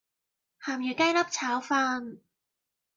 咸魚雞粒炒飯